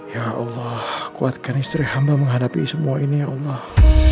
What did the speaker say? ya allah kuatkan istri hamba menghadapi semua ini ya allah